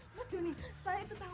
mas juni saya itu tahu